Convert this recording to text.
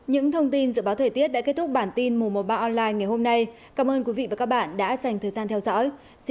những thông tin dự báo thời tiết đã kết thúc bản tin mùa một mươi ba online ngày hôm nay cảm ơn quý vị và các bạn đã dành thời gian theo dõi xin kính chào và hẹn gặp lại